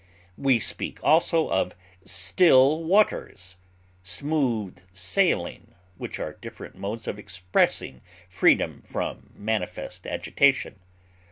We speak, also, of "still waters," "smooth sailing," which are different modes of expressing freedom from manifest agitation.